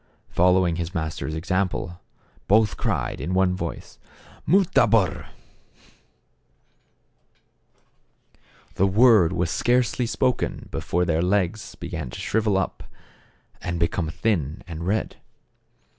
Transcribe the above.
Following his master's example, both cried in one voice, " Mutabor !" The word was scarcely spoken before their legs began to shrivel up and become thin and red.